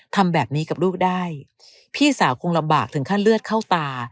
ทำแบบนี้กับลูกได้พี่สาวคงลำบากถึงขั้นเลือดเข้าตา